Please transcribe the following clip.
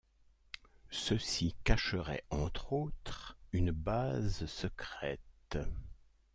Ceux-ci cacheraient entre autres une base secrète.